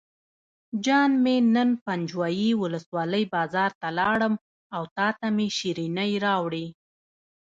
جان مې نن پنجوایي ولسوالۍ بازار ته لاړم او تاته مې شیرینۍ راوړې.